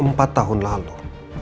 empat tahun lalu